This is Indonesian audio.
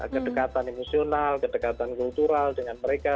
kedekatan emosional kedekatan kultural dengan mereka